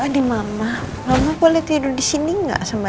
nah lihat aja